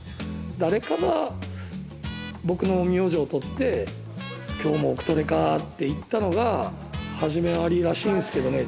誰かが僕の名字を取って「今日も奥トレかぁ」って言ったのが始まりらしいんですけどね。